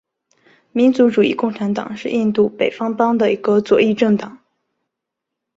民族主义共产党是印度北方邦的一个左翼政党。